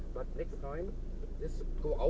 รายละเอียดดี